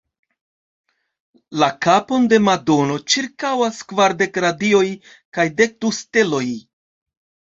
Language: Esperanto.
La kapon de Madono ĉirkaŭas kvardek radioj kaj dek du steloj.